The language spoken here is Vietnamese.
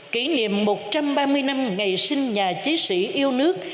kỷ niệm một trăm ba mươi năm ngày sinh nhà chiến sĩ yêu nước